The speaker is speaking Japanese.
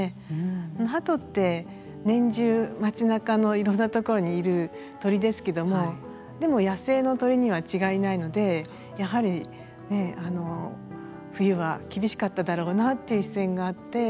鳩って年中街なかのいろんな所にいる鳥ですけどもでも野生の鳥には違いないのでやはり冬は厳しかっただろうなっていう視線があって。